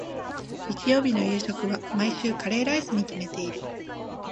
日曜日の夕食は、毎週カレーライスに決めている。